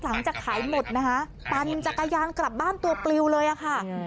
หลังจากขายหมดนะคะปั่นจักรยานกลับบ้านตัวปลิวเลยอะค่ะ